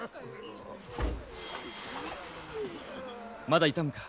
まだ痛むか？